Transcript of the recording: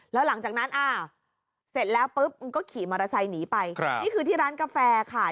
แล้วหลังจากนั้นอ่าเสร็จแล้วปุ๊บก็ขี่มอเตอร์ไซค์หนีไปนี่คือที่ร้านกาแฟค่ะ